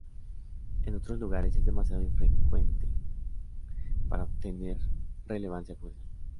En otros lugares es demasiado infrecuente para tener relevancia comercial.